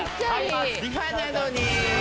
リファなのに。